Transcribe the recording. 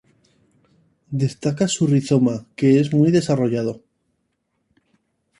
Destaca su rizoma, que es muy desarrollado.